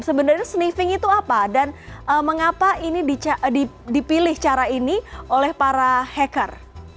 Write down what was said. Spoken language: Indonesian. sebenarnya sniffing itu apa dan mengapa ini dipilih cara ini oleh para hacker